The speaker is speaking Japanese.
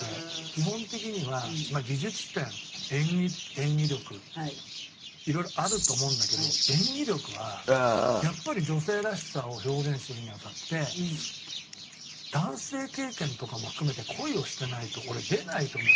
基本的には技術点演技力いろいろあると思うんだけど演技力はやっぱり女性らしさを表現するに当たって男性経験とかも含めて恋をしてないと俺出ないと思うんですよ。